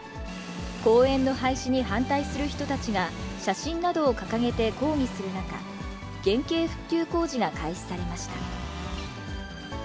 公園の廃止に反対する人たちが、写真などを掲げて抗議する中、原形復旧工事が開始されました。